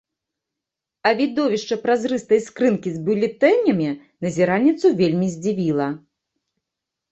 А відовішча празрыстай скрынкі з бюлетэнямі назіральніцу вельмі здзівіла.